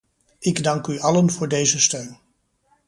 Ik dank u allen voor deze steun.